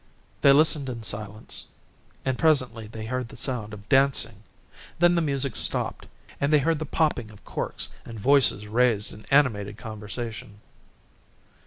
They listened in silence, and presently they heard the sound of dancing. Then the music stopped, and they heard the popping of corks and voices raised in animated conversation.